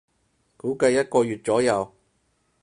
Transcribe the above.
估計一個月左右